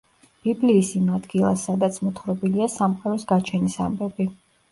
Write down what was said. ბიბლიის იმ ადგილას, სადაც მოთხრობილია სამყაროს გაჩენის ამბები.